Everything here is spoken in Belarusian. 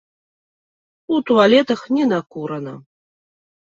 У туалетах не накурана!